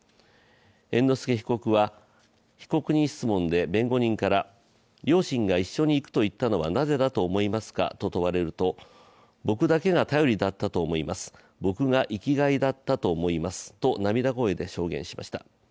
猿之助被告は、被告人質問で弁護人から、両親が一緒にいくと言ったのはなぜだと思いますか問われると僕だけが頼りだったと思います、僕が生きがいだったと思いますと涙声で証言しました。